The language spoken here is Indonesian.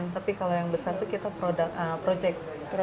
tapi kalau yang besar itu kita project